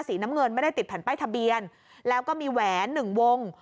น้ำเงินไม่ได้ติดแผ่นป้ายทะเบียนแล้วก็มีแหวนหนึ่งวง